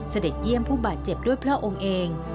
เสด็จเยี่ยมผู้บาดเจ็บด้วยพระองค์เอง